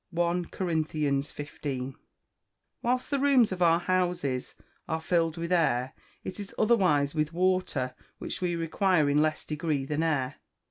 I CORINTHIANS XV.] Whilst the rooms of our house are filled with air, it is otherwise with water, which we require in less degree than air.